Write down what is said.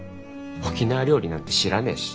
沖縄料理なんて知らねえし。